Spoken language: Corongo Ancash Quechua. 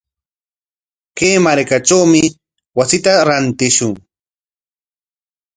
Kay markatrawmi wasita rantishun.